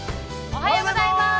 ◆おはようございます！